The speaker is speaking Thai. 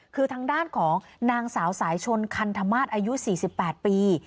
คือทางด้านของนางสาวสายชนคันธมาศอายุ๔๘ปี